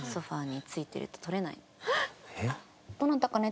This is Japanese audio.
どなたか寝